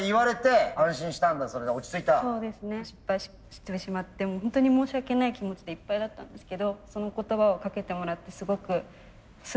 失敗してしまってホントに申し訳ない気持ちでいっぱいだったんですけどその言葉をかけてもらってすごくすっとしました。